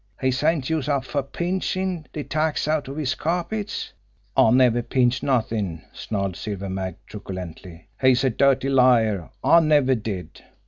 he sent youse up fer pinchin' de tacks out of his carpets!" "I never pinched nothin'!" snarled Silver Mag truculently. "He's a dirty liar! I never did!"